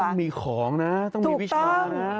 ต้องมีของนะต้องมีวิชานะ